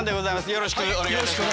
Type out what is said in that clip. よろしくお願いします。